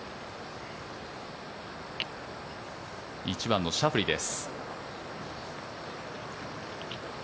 １番のシャフリーです。